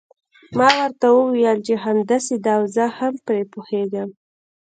ما ورته وویل چې همداسې ده او زه هم پرې پوهیږم.